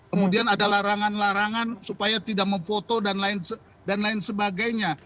kemudian ada larangan larangan supaya tidak memfoto dan lain sebagainya